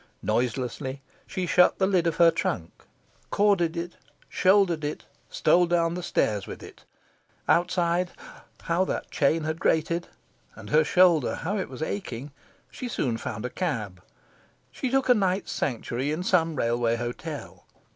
Noiselessly, she shut the lid of her trunk, corded it, shouldered it, stole down the stairs with it. Outside how that chain had grated! and her shoulder, how it was aching! she soon found a cab. She took a night's sanctuary in some railway hotel.